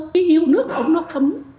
khi yêu nước ống nó thấm